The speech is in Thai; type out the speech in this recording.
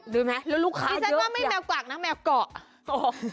ดูไหมลูกค้าเยอะไม่ใช่แมวกวักแมวกกรอก